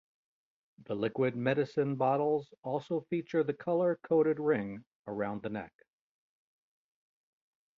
The liquid medicine bottles also feature the color-coded ring around the neck.